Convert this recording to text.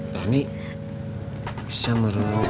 tani bisa merenung